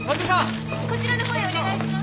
こちらのほうへお願いします。